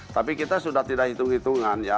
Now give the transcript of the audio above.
tapi kita sudah tidak hitung hitungan ya